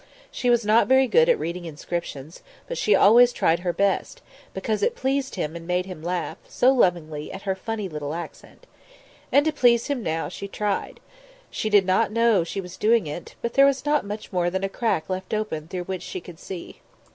She was not very good at reading inscriptions, but she always tried her best, because it pleased him and made him laugh so lovingly at her funny little accent. And to please him now she tried; she did not know she was doing it, but there was not much more than a crack left open through which she could see.